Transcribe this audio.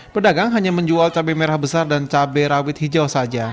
pedagang hanya menjual cabai merah besar dan cabai rawit hijau saja